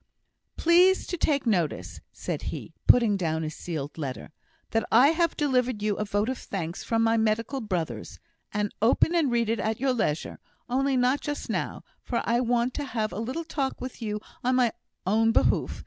Please to take notice," said he, putting down a sealed letter, "that I have delivered you a vote of thanks from my medical brothers; and open and read it at your leisure; only not just now, for I want to have a little talk with you on my own behoof.